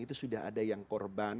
kalau ada yang korban